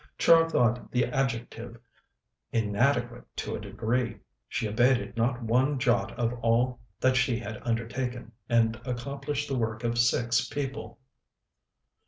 Char thought the adjective inadequate to a degree. She abated not one jot of all that she had undertaken, and accomplished the work of six people.